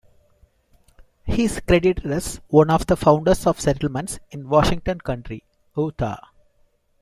He is credited as one of the founders of settlements in Washington County, Utah.